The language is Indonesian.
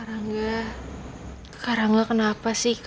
karangga karangga kenapa sih kak